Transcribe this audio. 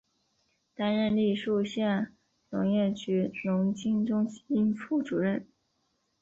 担任临沭县农业局农经中心副主任。